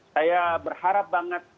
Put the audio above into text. saya berharap banget